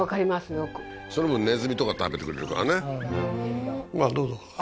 よくその分ネズミとか食べてくれるからね